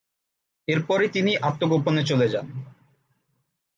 এরপরই তিনি আত্মগোপনে চলে যান।